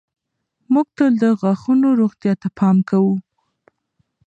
موږ تل د غاښونو روغتیا ته پام کوو.